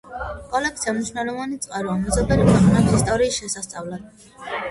კოლექცია მნიშვნელოვანი წყაროა მეზობელი ქვეყნების ისტორიის შესასწავლად.